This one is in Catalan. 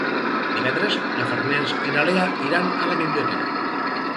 Divendres na Farners i na Lea iran a la biblioteca.